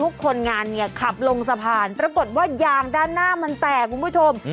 คนงานเนี่ยขับลงสะพานปรากฏว่ายางด้านหน้ามันแตกคุณผู้ชม